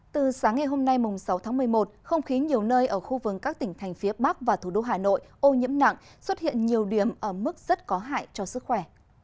từ sáng ngày hôm nay sáu tháng một mươi một không khí nhiều nơi ở khu vườn các tỉnh thành phía bắc và thủ đô hà nội ô nhiễm nặng xuất hiện nhiều điểm ở mức rất có hại cho sức khỏe